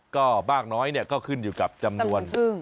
ก็มากน้อยก็ขึ้นอยู่กับจำนวนจำนวนพึง